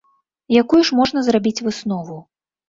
Якую ж можна зрабіць выснову?